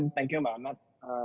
thank you mbak amat